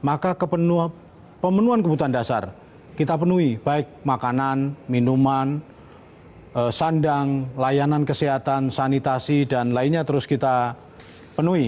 maka pemenuhan kebutuhan dasar kita penuhi baik makanan minuman sandang layanan kesehatan sanitasi dan lainnya terus kita penuhi